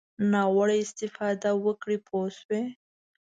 ناوړه استفاده وکړي پوه شوې!.